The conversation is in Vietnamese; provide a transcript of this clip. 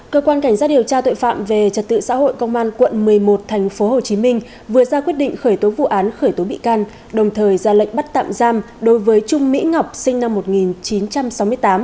cơ quan cảnh giác điều tra tội phạm về trật tự xã hội công an quận một mươi một thành phố hồ chí minh vừa ra quyết định khởi tố vụ án khởi tố bị can đồng thời ra lệnh bắt tạm giam đối với trung mỹ ngọc sinh năm một nghìn chín trăm sáu mươi tám